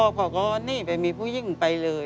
เพราะว่าก็หนี้ไปมีผู้หญิงไปเลย